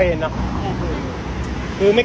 ก้าทนเนี้ย